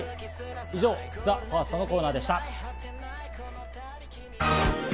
以上、ＴＨＥＦＩＲＳＴのコーナーでした。